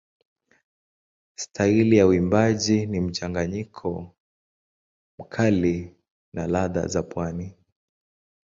Staili ya uimbaji ni mchanganyiko mkali na ladha za pwani.